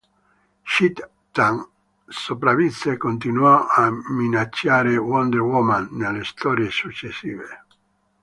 Cheetah sopravvisse e continuò a minacciare Wonder Woman nelle storie successive.